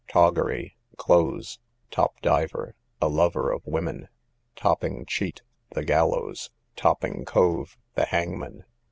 Toggery, clothes. Top diver, a lover of women. Topping cheat, the gallows. Topping cove, the hangman.